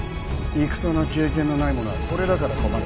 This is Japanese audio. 戦の経験のない者はこれだから困る。